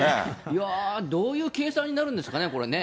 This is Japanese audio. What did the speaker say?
いや、どういう計算になるんですかね、これね。